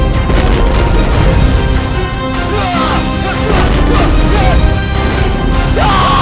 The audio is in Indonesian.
sesuai tahun ya rupanya